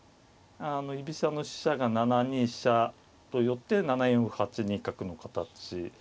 居飛車の飛車が７二飛車と寄って７四歩８二角の形。